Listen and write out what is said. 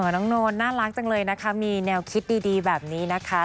น้องโนนน่ารักจังเลยนะคะมีแนวคิดดีแบบนี้นะคะ